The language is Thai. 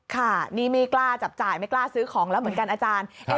ค่ะนี่ไม่กล้าจับจ่ายไม่กล้าซื้อของแล้วเหมือนกันอาจารย์